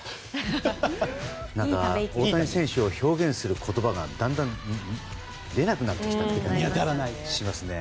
何か大谷選手を表現する言葉がだんだん出なくなってきた気がしますね。